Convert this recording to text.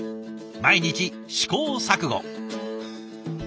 毎日試行錯誤。